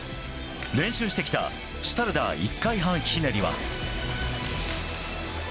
練習してきたシュタルダー１回半ひねりは。